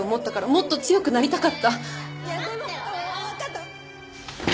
もっと強くなりたかった。